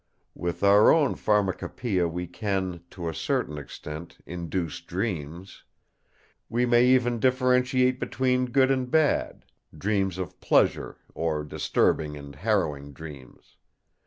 With our own pharmacopoeia we can, to a certain extent, induce dreams. We may even differentiate between good and bad—dreams of pleasure, or disturbing and harrowing dreams.